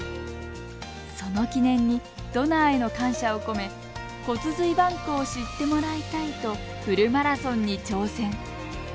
その記念にドナーへの感謝を込め骨髄バンクを知ってもらいたいとフルマラソンに挑戦。